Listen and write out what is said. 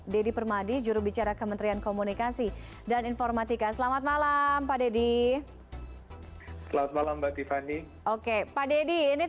dedy permadi juru bicara kementerian komunikasi dan informatika selamat malam pak dedy